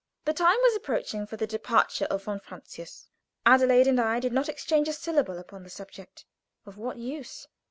The time was approaching for the departure of von Francius. Adelaide and I did not exchange a syllable upon the subject. Of what use?